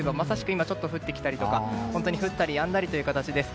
今ちょっと降ってきたりとか本当に降ったりやんだりという形です。